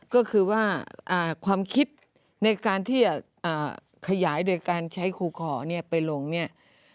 ก็คือว่าความคิดในการที่จะขยายโดยการใช้ครูขอเนี่ยไปลงเนี่ย